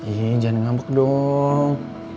ih jangan ngambek dong